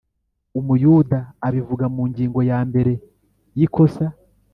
Umuyuda abivuga mungingo ya mbere yikosa